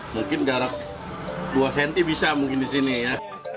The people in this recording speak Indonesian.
mungkin jarak dua cm bisa mungkin di sini ya